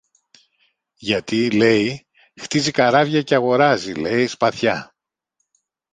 γιατί, λέει, χτίζει καράβια και αγοράζει, λέει, σπαθιά